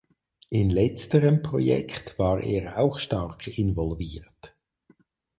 In letzterem Projekt war er auch stark involviert.